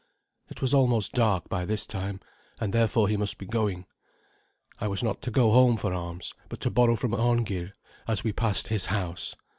It was almost dark by this time, and therefore he must be going. I was not to go home for arms, but to borrow from Arngeir as we passed his house.